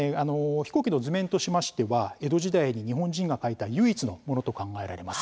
飛行機の図面としましては江戸時代に日本人が描いた唯一のものと考えられます。